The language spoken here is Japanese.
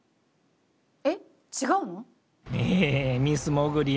えっ違うの？